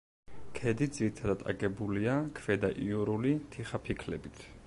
ქედი ძირითადად აგებულია ქვედაიურული თიხაფიქლებით.